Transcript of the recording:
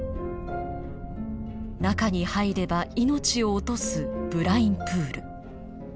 中に入れば命を落とすブラインプール。